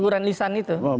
tuguran lisan itu